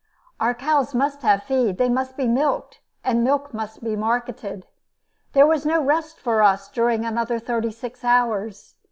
Our cows must have feed, they must be milked, the milk must be marketed. There was no rest for us during another thirty six hours.